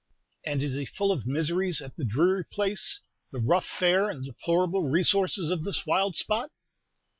"And is he full of miseries at the dreary place, the rough fare and deplorable resources of this wild spot?"